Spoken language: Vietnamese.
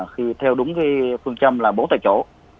khi theo đúng phương châm là bố tại chỗ